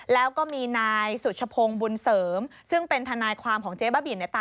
แล้วก็มีนายสุชพงศ์บุญเสริมซึ่งเป็นทนายความของเจ๊บ้าบิน